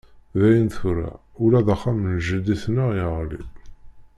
Dayen tura, ula d axxam n jeddi-tneɣ yeɣli.